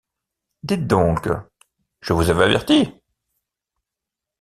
Dites donc, je vous avais avertis…